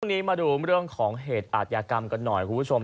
วันนี้มาดูเรื่องของเหตุอาทยากรรมกันหน่อยคุณผู้ชม